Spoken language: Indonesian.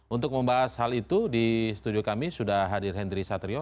untuk membahas hal itu di studio kami sudah hadir hendry satrio